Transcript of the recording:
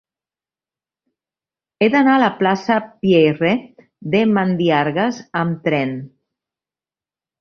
He d'anar a la plaça de Pieyre de Mandiargues amb tren.